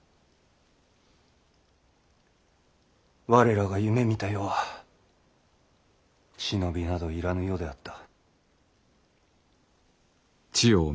我らが夢みた世は忍びなど要らぬ世であった。